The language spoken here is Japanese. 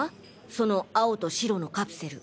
その青と白のカプセル。